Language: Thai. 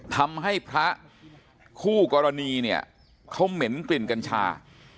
ทำให้พระคู่กรณีเนี่ยเขาเหม็นกลิ่นกัญชา